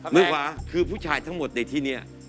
นึกว่าคือผู้ชายทั้งหมดในที่นี้